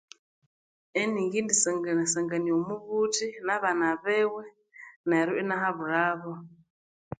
Inikendisangasangania omubuthi nabana biwe neru ina habulabo